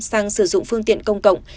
sang sử dụng phương tiện công cộng